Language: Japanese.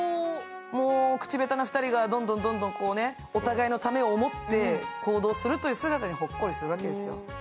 口下手な２人がどんどんお互いのためを思って行動する姿にほっこりするんですよ。